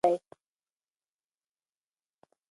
تاسي باید نا امیده نه شئ.